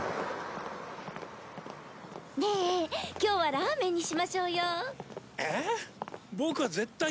ねえ今日はラーメンにしましょうよ。えっ？